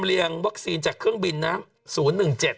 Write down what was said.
เรียงวัคซีนจากเครื่องบินนะฮะ